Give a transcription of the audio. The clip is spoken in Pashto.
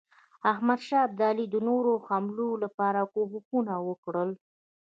احمدشاه ابدالي د نورو حملو لپاره کوښښونه وکړل.